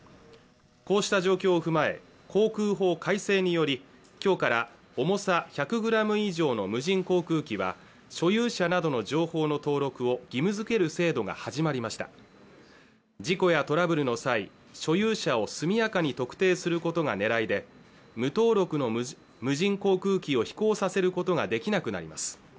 こうした状況を踏まえ航空法改正により今日から重さ１００ｇ以上の無人航空機は所有者などの情報の登録を義務づける制度が始まりました事故やトラブルの際所有者を速やかに特定することがねらいで無登録の無人航空機を飛行させることができなくなります